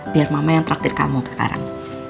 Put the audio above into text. biar mama yang takdir kamu sekarang